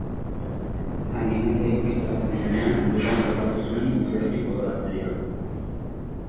Animalia ikustera joan zenean, lurrean topatu zuen, muturretik odola zeriola.